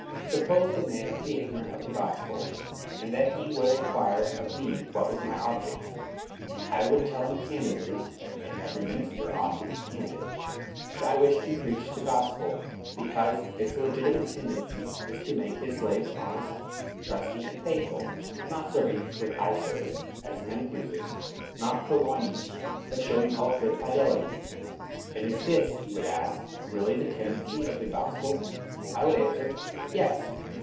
Suppose the man to be ignorant of the gospel, and that he would inquire of me what was my object. I would tell him candidly (and every minister ought to be candid) that I wished to preach the gospel, because its legitimate tendency is to make his slaves honest, trusty and faithful: not serving "with eye service, as men pleasers," "not purloining, but showing all good fidelity." "And is this," he would ask, "really the tendency of the gospel?" I would answer, Yes.